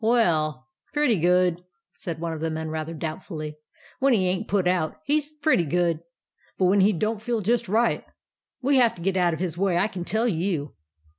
" W e 11, pretty good," said one of the men, rather doubtfully. " When he ain't put out, he 's pretty good ; but when he don't feel just right, we have to get out of his way, I can tell you